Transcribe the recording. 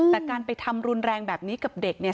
แต่การไปทำรุนแรงแบบนี้กับเด็กเนี่ย